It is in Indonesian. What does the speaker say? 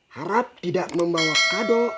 harap tidak membawa kado